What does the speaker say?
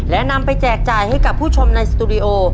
และนำไปแจกจ่ายให้กับผู้ชมในสตูดิโอ